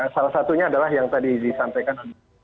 salah satunya adalah yang tadi disampaikan